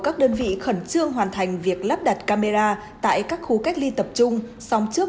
các đơn vị khẩn trương hoàn thành việc lắp đặt camera tại các khu cách ly tập trung xóm trước